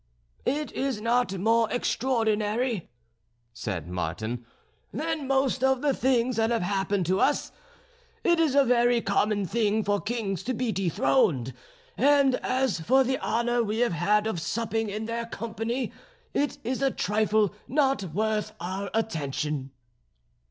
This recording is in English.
"It is not more extraordinary," said Martin, "than most of the things that have happened to us. It is a very common thing for kings to be dethroned; and as for the honour we have had of supping in their company, it is a trifle not worth our attention."